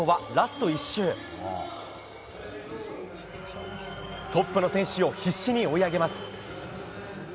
トップの選手を必死に追い上げます。